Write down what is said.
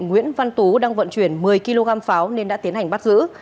nguyễn văn tú đang vận chuyển một mươi kg pháo nên đã tiến hành bắt giữ